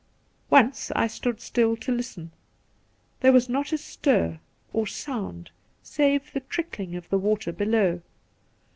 Once I stood still to listen ; there was not a stir or sound save the trickling of the water below.